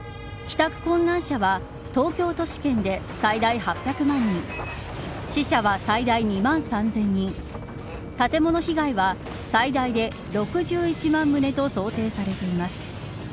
帰宅困難者は東京都市圏で最大８００万人死者は最大２万３０００人建物被害は最大で６１万棟と想定されています。